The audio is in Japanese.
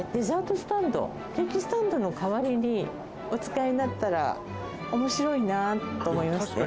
スタンドケーキスタンドの代わりにお使いになったら面白いなと思いますね